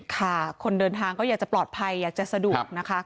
ค่ะคนเดินทางก็อยากจะปลอดภัยอยากจะสะดวกนะคะ